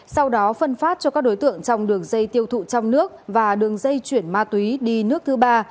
sau đó phân phát cho các đối tượng trong đường dây tiêu thụ trong nước và đường dây chuyển ma túy đi nước thứ ba